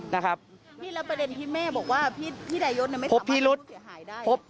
แล้วประเด็นที่แม่บอกว่าพี่ดายศไม่สามารถรู้เสียหายได้